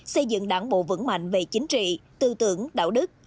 xây dựng đảng bộ vững mạnh về chính trị tư tưởng đạo đức